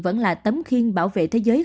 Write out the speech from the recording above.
vẫn là tấm khiên bảo vệ thế giới